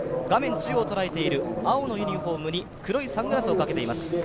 中央捉えている青のユニフォームに黒いサングラスをかけています。